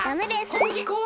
小麦粉は？